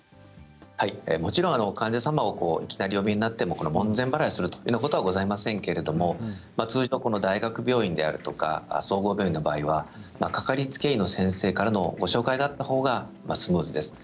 もちろん患者さんを門前払いということはございませんけれど通常、大学病院であるとか総合病院の場合には掛かりつけ医の先生からの紹介があったほうがスムーズです。